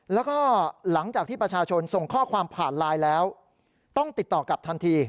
แล้วก็หลังจากที่ประชาชนส่งข้อความผ่านไลน์แล้วต้องติดต่อกลับทันที